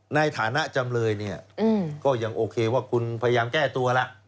ในฐานะจำเลยเนี่ยก็ยังโอเคว่าคุณพยายามแก้ตัวแล้ว